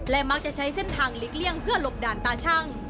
มักจะใช้เส้นทางหลีกเลี่ยงเพื่อหลบด่านตาชั่ง